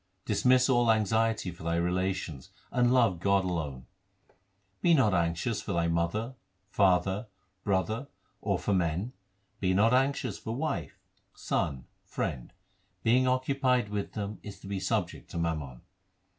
Dismiss all anxiety for thy relations and love God alone :; i Be not anxious for thy mother, father, brother, or for men ; Be not anxious for wife, son, friend ; being occupied with them is to be subject to mammon.